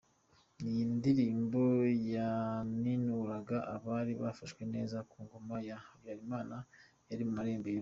Iyi ndirimbo yaninuraga abari bafashwe neza ku ngoma ya Habyarimana yari mu marembera.